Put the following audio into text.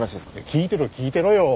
聞いてろ聞いてろよ！